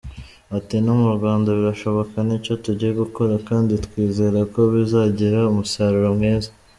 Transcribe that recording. ati “No mu Rwanda birashoboka nicyo tugiye gukora kandi twizera ko bizagira umusaruro mwiza.